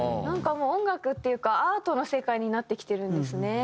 なんかもう音楽っていうかアートの世界になってきてるんですね。